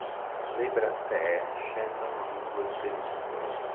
Le brattee scendono lungo il peduncolo.